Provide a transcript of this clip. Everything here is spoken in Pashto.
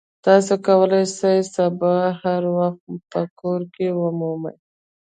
تاسو کولی شئ سبا هر وخت ما په کور کې ومومئ